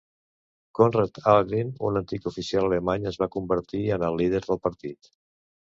Konrad Hallgren, un antic oficial alemany, es va convertir en el líder del partit.